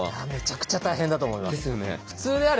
めちゃくちゃ大変だと思います。